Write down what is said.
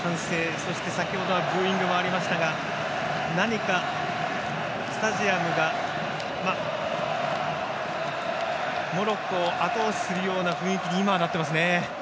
そして、先ほどはブーイングもありましたが何か、スタジアムがモロッコをあと押しするような雰囲気に今はなっていますね。